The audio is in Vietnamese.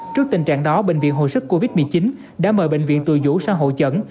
trước tình trạng đó bệnh viện hội sức covid một mươi chín đã mời bệnh viện tùy vũ sang hộ trận